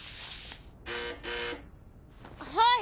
はい。